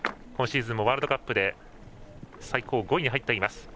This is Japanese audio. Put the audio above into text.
今シーズン、ワールドカップで最高５位に入っています。